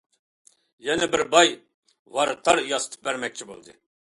يەنە بىر باي ۋاراتار ياسىتىپ بەرمەكچى بولدى.